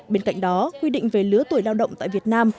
bên cạnh đó quy định về lứa tuổi lao động tại việt nam